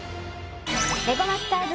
レゴマスターズ